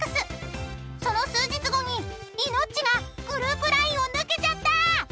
［その数日後にイノッチがグループＬＩＮＥを抜けちゃった！］